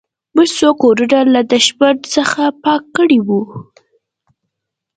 موږ څو کورونه له دښمن څخه پاک کړي وو